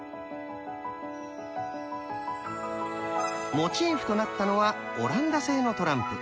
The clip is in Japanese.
モチーフとなったのはオランダ製のトランプ。